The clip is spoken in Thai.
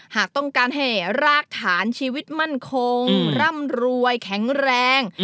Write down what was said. หากต้องการแห่รากฐานชีวิตมั่นคงร่ำรวยแข็งแรง